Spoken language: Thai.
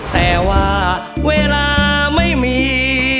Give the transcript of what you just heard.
แต่ว่าเวลาไม่มี